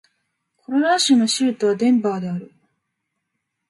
コロラド州の州都はデンバーである